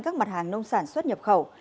các mặt hàng nông sản xuất nhập khẩu